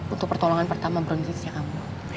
untuk pertolongan pertama berhubungan dengan kamu